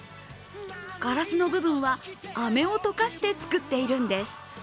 ガラスの部分はあめを溶かして作っているんです。